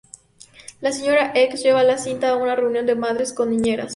La señora X lleva la cinta a una reunión de madres con niñeras.